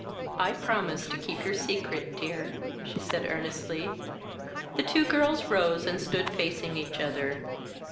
"I promise to keep your secret, dear," she said earnestly. The two girls rose and stood facing each other.